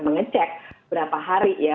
mengecek berapa hari ya